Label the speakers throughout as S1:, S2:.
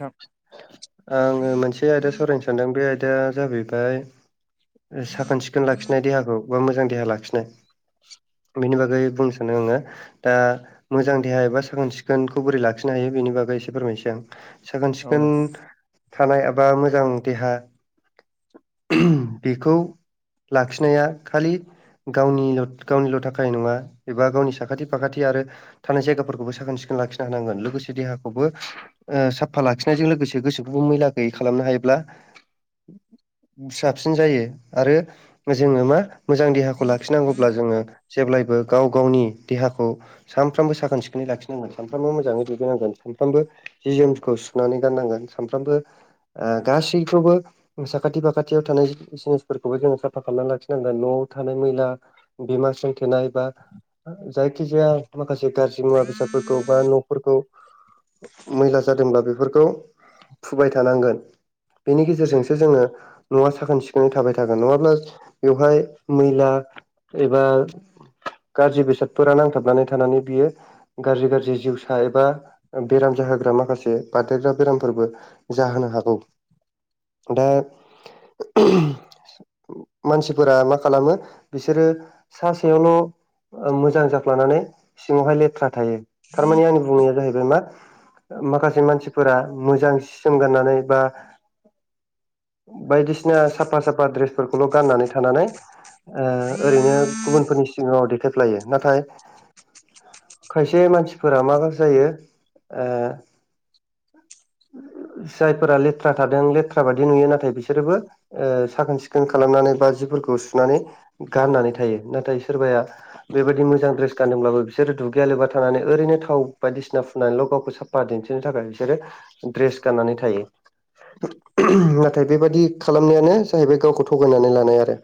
S1: नोंथां
S2: आङो मोनसे आयदा सावरायनो सानदों बे आयदाया जाहैबाय ओ साखोन सिखोन लाखिनाय देहाखौ बा मोजां देहा लाखिनाय
S1: [inaudible]
S2: बेनि बागै बुंनो सानो आङो दा मोजां देहा एबा साखोन सिखोनखौ बोरै लाखिनो हायो बेनि बाग गै एसे फोरमाय [unintelligible] सै आं साखोन
S1: औ
S2: सिखोन
S1: नोंथां
S2: थानाय एबा मोजां देहा बेखौ लाखिनाया खालि गावनिल'द गावनिल' थाखाय नङा एबा गावनि साखाथि फाखाथि आरो थानाय जायगाफोरखौबो साखोन सिख खोन लाखिनो हांनांगोन लोगोसे देहाखौबो ओ साबफा लाखिनायजों लोगोसे गोसोखौबो मैला गैयै खालामनो हायोब्ला [inaudible] साबसिन जायो आरो जोङो मा मोजां देहाखौ लाखिनांगौब्ला जोङो जेब्लायबो गाव गावनि देहाखौ सानफ्रामबो साखोन सिखोनै लाखिनांगोन सानफ्रामबो मोजाङै दैदेननांगोन सानफ्रामबो जि जोमसखौ सुनानै गाननांगोन सामफ्रामबो आह गासैखौबो साखाथि फाखाथियाव थानाय जिनिसफोरखौबो जोङो साफा खालामनानै लाखिनांगोन न'आव थानाय मैला बेमा सोंथेनाय बा जायखिजाया माखासे गाज्रि मुवा बेसादफोरखौ बा न'फोरखौ मैला जादोंब्ला बेफोरखौ फुबाय थानांगोन बेनि गेजेरजोंसो जोङो न'आ साखोन सिख खोनै थाबाय थागोन नङाब्ला बेवहाय मैला एबा गाज्रि बेसादफोरा नांथाबनानै थानानै बियो गाज्रि गाज्रि जिउसा एबा बेराम जाय [unintelligible] ग्रा माखासे बारदेरग्रा बेरामफोरबो जाहोनो हागौ। दा [unintelligible] मानसिफोरा मा खालामो बिसोरो सा सायावल' ओ मोजां जाफ्लानानै सिङावहाय लेथ्रा थायो थारमाने आंनि बुंनाया जाहैबाय मा ओ माखासे मानसिफोरा मोजां सि जोम गाननानै बा बायदिस सिना साफा साफा ड्रेसफोरखौल' गाननानै थानानै ओह ओरैनो गुबुनफोरनि सिगाङाव देखायफ्लायो नाथाय खायसे मानसिफोरा मा [unintelligible] जायो ओ जायफोरा लेथ्रा थादों लेथ्रा बादि नुयो नाथाय बिसोरोबो ओ साखोन- सिखोन खालामनानै बा जिफोरखौ सुनानै गाननानै थायो नाथाय सोरबाया बेबायदि मोजां ड्रेस गानदोंब्लाबो बिसोरो दुगैयालोबा थानानै ओरैनो थाव बायदिसिना फुननानैल' गावखौ साफा दोन बिसिनि थाखाय बिसोरो ड्रेस गाननानै थायो नाथाय बेबादि खालामनायानो जाहैबाय गावखौ थगायनानै लानाय आरो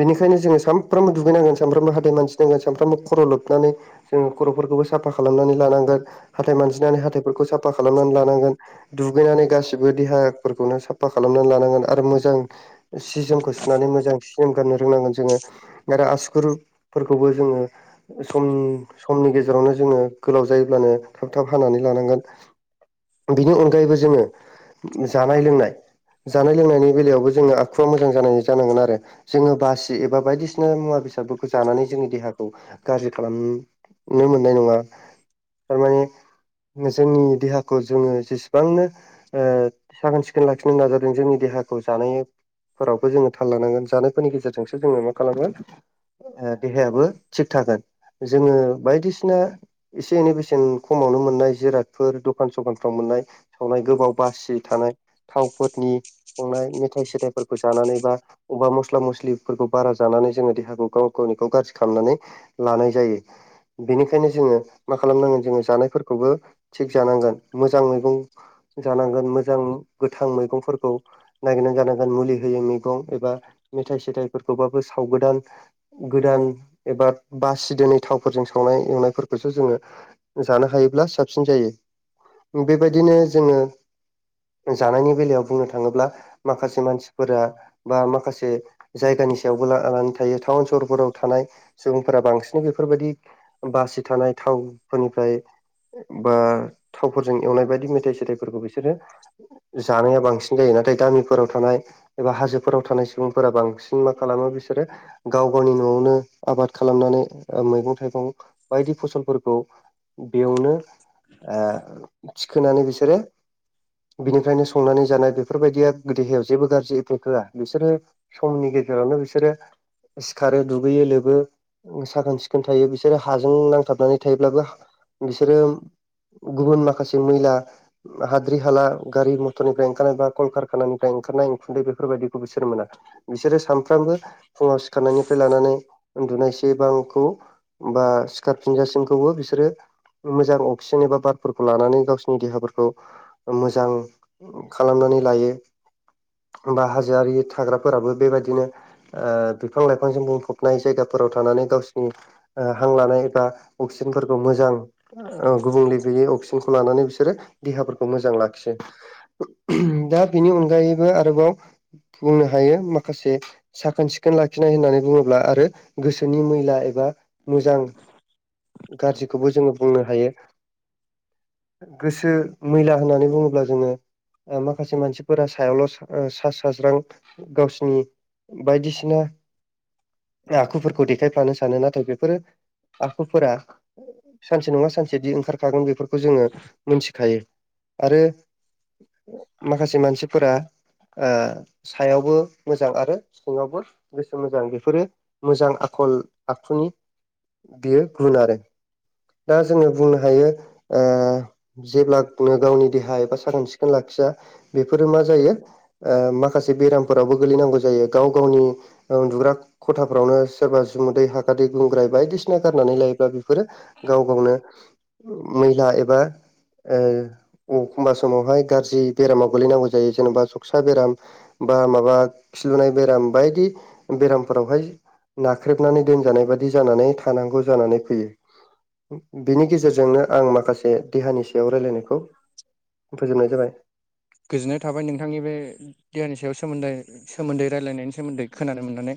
S2: बेनिखायनो जोङो सामफ्रामबो दुगैनांगोन सामफ्रामबो हादाय मानसिनांगोन सानफ्रामबो खर' लोबनानै जोङो खर'फोरखौ साफा खालामनानै लानांगोन हाथाय मानजिनानै हाथाइफोरखौ साफा खालामनानै लानांगोन दुगैनानै गासिबो बो देहाफोरखौ नों साफा खालामनानै लानांगोन आरो मोज जां सि जोमखौ सुनानै मोजां सि जोम गाननो रोंनांगोन जोङो नाथाय आसुखुरफोरखौबो बो जोङो सम समनि गेजेरावनो जोङो गोलाव जायोब्लानो थाब थाब हानानै लानांगोन।
S1: [inaudible]
S2: बिनि अनगायैबो जोङो जानाय लोंनाय जानाय लोंनायनि बेलायावबो जोंङा आखुआ मोजां जानाय जानांगोन आरो जोंङो बासि एबा बायदिसिना मुवा बेसाद जानानै जो जोंनि देहाखौ गाज्रि खालामनो मोननाय नङा थारमाने [unintelligible] जोंनि देहाखौ जोङो जेसेबांनो ओ साखोन सिखोन लाखिनो नाजादों जोंनि देहाख खौ जानायफोरावबो जोङो थाल लानांगोन जानायफोरनि गेजेरजोंसो जोङो मा खालामगोन ओ देहायाबो थिग थागोन जोङो बायदिसिना एसे एनै बेसेन खमावनो [unintelligible] मोननाय जिरादफोर दखान सखानफ्राव मोननाय सावनाय गोबाव बासि थानाय थावफोदनि संनाय मेथाइ सेथाइफोरखौ जानानै बा अबा मस्ला मस्लिफोरखौ बारा जानानै जोङो देहाखौ गाव गा [unintelligible] देहाखौ खालामनानै लानाय जायो बेनिखायनो जोङो मा खालामनांगोन जोङो जानायफोरखौबो थिग जानांगोन मोजां मैगं जानांगोन मोजां गोथां मैगंफोरखौ नागिर जानांगोन मुलि होयो मैगं एबा मेथाइ सेथाइफोरखौबाबो साव गोदान गोदान एबा बासिदोनै थावफोरजों सावनाय एवनायफोरखौसो जोङो जानो हायोब्ला साबसिन जायो बेबायदिनो जोङो जानायनि बेलायाव बुंनो था ङोब्ला माखासे मानसिफोरा बा माखासे जाय सायावबो लानानै थायो स रफोराव थानाय सुबुंफोरा बांसिन बेफोरबायाददि बासि थानाय थावफोरनिफ्राय बा थावफोरजों एवनाय बायदि मेथाइ सेथाइफोरखौ बिसोरो जानाया बांसिन जायो नाथाय गामिफोराव थानाय एबा हाजोफोराव थानाय सुबुंफोरा बांसिन मा खालामो बिसोरो गाव गावनि न'आवनो आबाद खालामनानै मैगं थाइगं बायदि फसलफोरखौ बेयावनो ओ थिखोनानै बिसोरो बिनिफ्रायनो संनानै जानाय बे बेफोरबायदिया देहायाव जेबो गाज्रि एफ होआ बिसोरो समनि गेजेरावनो बिसोरो सिखारो दुगैयो लोबो साखोन सिखोन थायो बिसोरो हाजों नांथाबनानै थायोब्लाबो बिसोरो गुबुन माखासे मैला हाद्रि हाला गारि मथरनिफ्राय ओंखारनायबा कलकारखानायानिफ्राय ओंखारनाय उखुन्दै बेफोरबायदिखौ बिसोरो मोना बिसोरो सानफ्रामबो फुङाव सिखारनायनिफ्राय लानानै उन्दुनायसिम बांखौ बा सिखारफिनजासिमखौबो बिसोरो मोजां अक्सिजेन एबा बारफोरखौ लानानै गावसोरनि देहाफोरखौ मोजां खालामनानै लायो बा हाजो आरि थाग्राफोराबो बेबायदिनो ओ बिफां लाइफांजों बुंफबनाय जायगाफोराव थानानै गावसोरनि हां लानाय एबा अक्सि अक्जेनफोरखौ मोजां गुबुंले गैयै अक्सिजेनखौ लानानै बिसोरो देहाफोरखौ मोजां लाखियो दा बेनि अनगायैबो आरोबाव बुंनो हायो माखासे साखोन सिखोन लाखिनाय होननानै बुङोब्ला आरो गोसोनि मैला एबा मोजां गाज्रिखौबो जोङो बुंनो हायो गोसो मैला होननानै बुङोब्ला जोङो ओ मा माखासे मानसिफोरा सायावल' सि साज्रां गावसिनि बायदिसिना आखुफोरखौ देखायफ्लानो सानो नाथाय बेफोरो आखुफोरा सानसे नङा सानसे बिदि ओंखारखागोन बेफोरखौ खौ जोङो मोनथिखायो आरो माखासे मानसिफोरा ओ सायावबो मोजां आरो सिङावबो गोसो मोजां बेफोरो मोजां आखु खल आखुनि बेयो गुन आरो दा जोङो बुंनो हायो ओ जेब्ला गावनि देहा एबा साखोन सिखोन लाखिया बेफोरो मा जायो ओ माखासे बेरामफोरावबो गोलैनांगौ जायो गाव गावनि उन्दुग्राखथाफ्रावनो सोरबा जुदै हादै गुंग्रा बायदिसिना गारनानै लायोब्लाफोर गाव गाव मैला एबा ओ अखमबा समावहाय गाज्रि बेरामाव गोलैनांगौ जायो जेनेबा सखसा बेराम बा माबा खिलुनाय बेराम बायदि बेरामफोरावहाय नाख्रेबनानै दोनजानाय बादि जानानै थानांगौ जानानै फैयो बिनि गेजेरजोंनो आं माखासे देहानि सायाव रायलायनायखौ फोजोननाय जाबाय
S1: गोजोननाय थाबाय नोंथांनि बे देहानि सायाव सोमोन्दै सोमोन्दै रायलायनायनि सोमोन्दै खोनानो मोननानै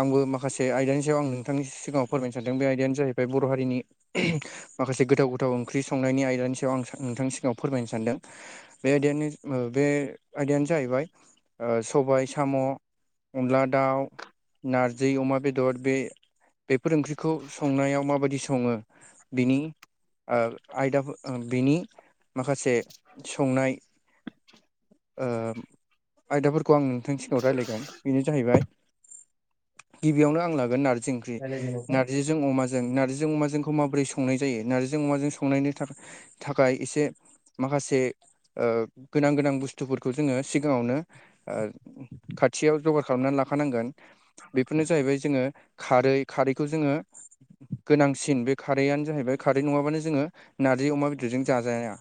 S1: आंबो माखासे आयदानि सायाव आं नोंथांनि सिगाङाव फोरमायनो सानदों बे आयदायानो जाहैबाय बर' हारिनि [unintelligible] माखासे गोथाव गोथाव ओंख्रि संनायनि आयदानि सायाव आं सा नोंथांनि सिगाङाव फोरमायनो सानदों । बे आयदायानो ओ बे आयदायानो जाहैबाय ओ सबाय साम' अनला दाउ नारजै अमा बेदर बे बेफोर ओंख्रिखौ संनायाव माबायदि सङो बिनि ओ आयदाफो बेनि माखासे संनाय ओम आयदाफोरखौ आं नोंथांनि सिगाङाव रायलायगोन बेनो जाहैबाय गिबियावनो आं लागोन नारजि ओंख्रि
S2: रायलायदो नोंथां।
S1: नारजिजों अमाजों नारजिजों अमाखौ माबोरै संनाय जायो ।नारजि जों अमाजों संनायनि थाखाय थाखाय एसे माखासे ओ गोनां गोनां बुस्थुफोरखौ जोङो सिगाङावनो ओ खाथियाव जगार खालामनानै लाखानांगोन । बेफोरनो जाहैबाय जोङो खारै खारैखौ जोङो गोनांसिन बे खारैआ नो जाहैबाय खारै नङाबानो जोङो नारजि अमा बेदरजों जाजाया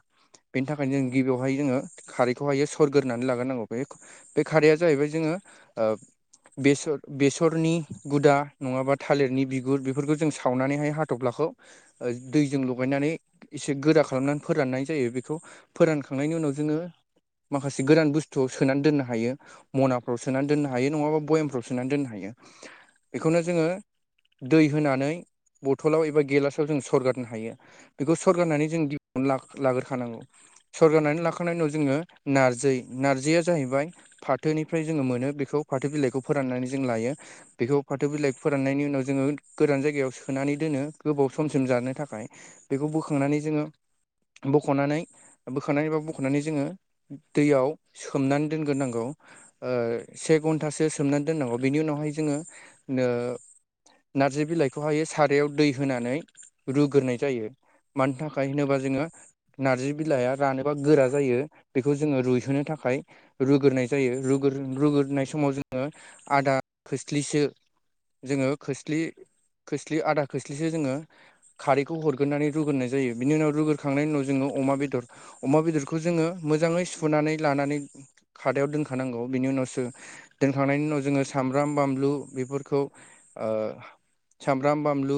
S1: बेनि थाखायनो जों गिबियाव हाय जोङो खारैखौ हाययो सरगोरनानै लाग्रोनांगौ बेख बे खारैया जाहैबाय जोङो ओ बेसर बेसरनि गुदा नङाबा थालिरनि बिगुर बेफोरखौ जों सावनानै हाय हाथफ्ला खौ ओ दैजों लगायनानै एसे गोरा खालामनानै फोराननाय जायो बेखौ फोरानखांनायनि उनाव जोङो माखासे गोदान बुस्थुआव सोनानै दोननो हायो मनाफ्राव सोनानै दोननो हायो नङाबा बयामफ्राव सोनानै दोननो हायो । बेखौनो जोङो दै होनानै बथलाव एबा गेलासाव जों सरगारनो हायो बेखौ सरगारनानै जों दिबआवनो लाग्रोखानांगौ सरगारनानै लाखांनायनि उनाव जोङो नारजै नारजैया जाहैबाय फाथोनिफ्राय जोङो मोनो बेखौ फाथो बिलाइखौ फोराननानै जों लायो बेखौ फाथो बिलाइ फोराननायनि उनाव जोङो गोरान जायगायाव सोनानै दोनो गोबाव समसिम जाय राननो थाखाय बेखौ‌ बोखांनानै जोङो बखनानै बोखांनानै एबा बखनानै जोङो दैयाव सोमनानै दोनगोर नांगौ से घन्टासो सोमनानै दोनां अ बेनि उनाव हाय जोङो नो नारजै बिलाइखौ हाय सारायाव दै होनानै रुग्रोनाय जायो । मानि थाखाय होनोबा जोङो नारजि बिलाइआ रानोबा गोरा जायो बेखौ जोङो रुइहोनो थाखाय रुग्रोनाय जायो रुगोर रुग्रोनाय समाव जोङो आदा खोस्लिसो जोङो खोस्लि खोस्लि आदा खोस्लिसो जोङो खारैखौ हरगोरनानै रुगोरनाय जायो । बिनि उनाव रुगोरखांनायनि उनाव जोङो अमा बेदर अमा बेदरखो खौ जोङो मोजाङै सुुनानै लानानै खादायाव दोनखानांगौ बिनि उनावसो दोनखांनायनि उन उनाव जोङो सामब्राम बामब्लु बेफोरखौ ओ सामब्राम बाम्बु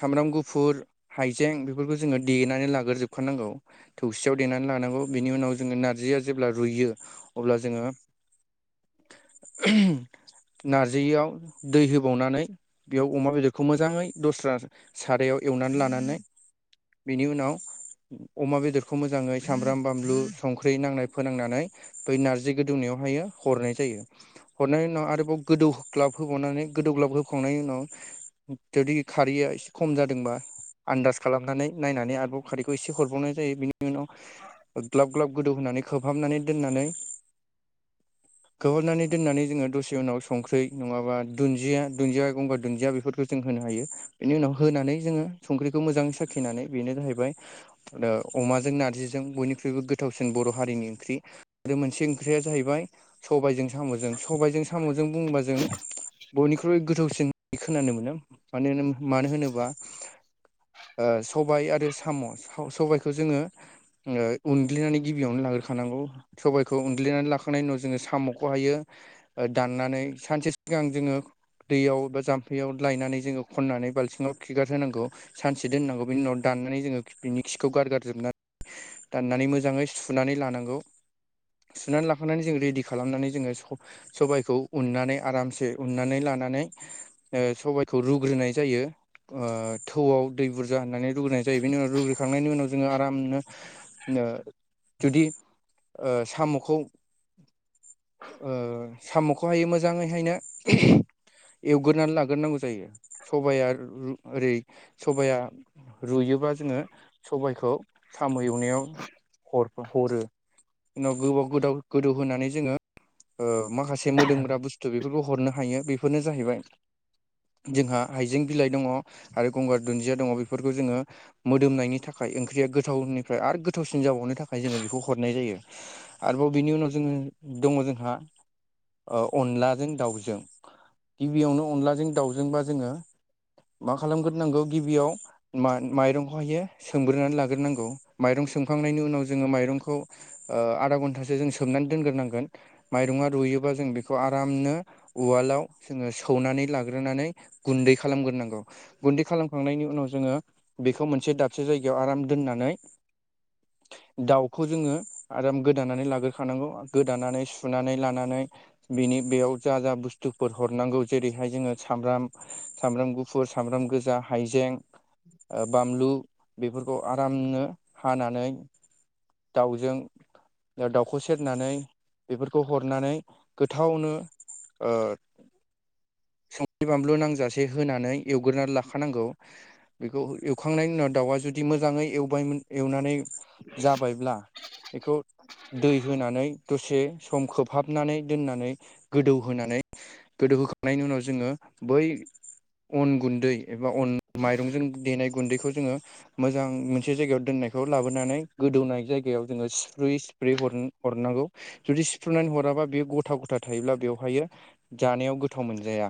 S1: सामब्राम गुफुर हाइजें बेफोरखौ जोङो देनानै लागोर जोबखानांगौ थौसियाव देनानै लानांगौ बिनि उनाव जोङो नारजिया जेब्ला रुयो अब्ला जोङो [unintelligible] नारजैयाव दै होबावनानै बेयाव अमा बेदरखौ मोजाङै दस्रा सारायाव एवनानै लानानै बेनि उनाव अमा बेदर खौ मोजाङै सामब्राम बाम्बु संख्रि नांनाय फोनांनानै बै नारजि गोदुंनायाव हायो हरनाय जायो । हरनायनि उनाव आरोबाव गोदौ ग्लाब होबावनानै गोदौ ग्लाब होखावनायनि उनाव जुदि खारैया एसे खम जादोंबा आन्दास खालामनानै नायनानै आरोबाव खारिखौ एसे हरबावनाय जायो बिनि नि उनाव ग्लाब ग्लाब गोदौ होनानै खोबहाबनानै दोननानै खोबहाबनानै दोननानै जोङो दसे उनाव संख्रै नङाबा दुन्दिया दुन्दिया गंगार दुन्दिया बेफोरखौ जों होनो हायो बेनि उनाव होनानै जोङो संख्रैखौ मोजां साखिनानै बेनो जाहैबाय ओ अमाजों नारजिजों बयनिख्रुइबो गोथावसिन बर' हारिनि ओंख्रि आरो मोनसे ओंख्रिया जाहैबाय सबायजों सामजों सबायजों सामजों बुङोबा जों बयनिख्रुबो गोथाव [unintelligible] ओ सबाय आरो साम' सबायखौ जोङो ओ उनग्लिनानै गिबियावनो लाग्रोखानांगौ सबाइखौ उनग्लिनानै लाखांनायनि उनाव जोङो साम'खौ हायो ओ दाननानै सानसे सिगां जोङो दैयाव एबा जाम्फैयाव लायनानै जोङो खननानै बाल्थिङाव खिगार होनांगौ सानसे दोननांगौ बेनि उनाव दा ननानै जोङो बिनि खिखौ गारगारजोबनानै दाननानै मोजाङै सुनानै लानांगौ सुनानै लाखांनानै जों रेडि खालामनानै जोङो स सबायाइखौ उननानै आरामसे उननानै ला नानै ओ सबायखौ रुग्रोनाय जायो ओ थौआव दै बुरजा होननानै रुग्रायनाय जायो बेनि उनाव रुग्रोखांनायनि उनाव जोङो आरामनो नो- जुदि ओ साम'खौ ओ साम'खौहायो मोजाङैहायनो एवग्रोनानै लाग्रोनांगौ जायो सबाया ओरै सबाया रुयो एबा जोङो सबायखौ साम' एवनायाव ह-हरो। उनाव गोबाव गोदाव गोदौ होनानै जोङो ओ माखासे मोदोमग्रा बुस्थु बेफोरखौ हरनो हायो बेफोरनो जाहैबाय जोंहा हाइजें बिलाइ दङ आरो गंगार दुन्दिया दङ बेफोरखौ जोङो मोदोमनायनि था खाय ओंख्रिया गोथावनिफ्राय आरो गोथावसिन जाबावनो थाखाय जोङो बेखौ हरनाय जायो आरोबाव बिनि उनाव जोङो दङ जोंहा ओ अनलाजों दाउजों। गिबियावनो अनलाजों दाउजोंबा जोङो मा खालामग्रोनांगौ गिबियाव मान माइरंखौहायो सोमग्रोनानै लाग्रोनांगौ माइरं सोमखांनायनि उनाव जोङो माइरंखौ ओ आधा घन्टासो जों सोमना दोनग्रोनांगोन माइरंआ रुयोबा जों बेखौ आरामनो उवालआव जोङो सौनानै ला ग्रोनानै गुन्दै खालामग्रोनांगौ गुन्दै खालामखांनायनि उनाव जोङो बेखौ मोनसे दाबो आराम दोननानै दाउखौ जोङो आराम गोदानानै लाग्रोखानांगौ गोदानानै सुनानै लानानै बिनि बेयाव जा जा बुस्तुफोर हरनांगौ जेरैहाय जोङो सामब्राम सामब्राम गु फुर सामब्राम गोजा हाइजें ओ बानलु बेफोरखौ आरामनो हानानै दाउजों दा दाउखौ सेरनानै बेफोरखौ हरनानै गोथावनो ओ संख्रि बानलु नांजासे होनानै एवग्रोनानै लाखानांगौ बेखौ एवखांनायनि उनाव दाउआ जुदि मोजाङै एवबायमोन एवनानै जाबायब्ला बेखौ दै होनानै दसे सम खोबहाबनानै दोननानै गोदौहोनानै गोदौ होखांनायनि उनाव जोङो बै अन गुन्दै एबा अन माइरंजों देनाय गुन्दैखौ जोङो मोजां मोनसे जायगायाव दोननायखौ लाबोनानै गोदौनाय जायगायाव जोङो सिप्रुयै सिप्रुयै हर हरनांगौ जुदि सिफ्रुनानै हराबा बेयो गथा गथा थायोब्ला बेवहायो जानायाव गोथाव मोनजाया।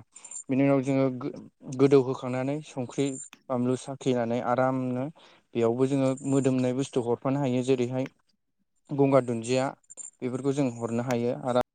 S1: बिनि उनाव जोङो गो-गोदौ होखांनानै संख्रि बानलु साखिनानै आरामनो बेयावबो जोङो मोदोमनाय बुस्थु हरफानो हायो जेरैहाय गंगार दुन्दिया बेफोरखौ जों हरनो हायो आरो